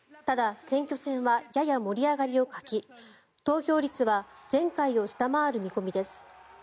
ただ、選挙戦はやや盛り上がりを欠き投票率は前回を下回る見込みです。